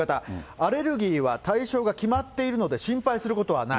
アレルギーは対象が決まっているので、心配することはない。